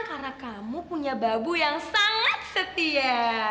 karena kamu punya babu yang sangat setia